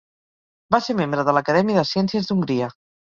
Va ser membre de l'Acadèmia de Ciències d'Hongria.